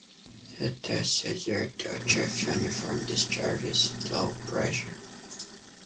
It is easier to achieve uniform discharges at low pressure.